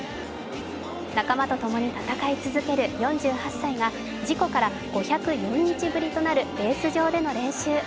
仲間と共に戦い続ける４８歳が事故から５０４日ぶりとなるレース場での練習。